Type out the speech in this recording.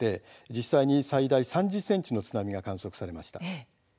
実際に、最大で３０ｃｍの津波がこの時、観測されました。